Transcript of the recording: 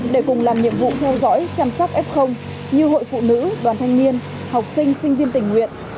để cùng làm nhiệm vụ theo dõi chăm sóc f như hội phụ nữ đoàn thanh niên học sinh sinh viên tình nguyện